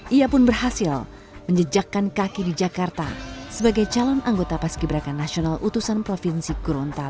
ia pun berhasil menjejakkan kaki di jakarta sebagai calon anggota paski beraka nasional utusan provinsi gorontalo